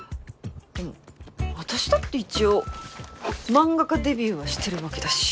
でも私だって一応漫画家デビューはしてるわけだし。